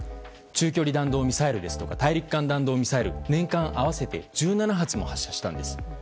中距離弾道ミサイルですとか大陸間弾道ミサイル年間合わせて１７発も発射したんです。